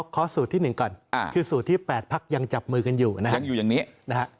ขอสูตรที่๑ก่อนคือสูตรที่๘พักยังจับมือกันอยู่นะฮะยังอยู่อย่างนี้นะฮะ